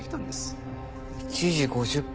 １時５０分。